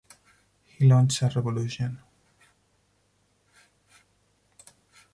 He launched a revolution.